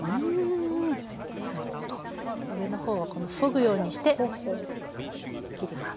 上の方はそぐようにして切ります。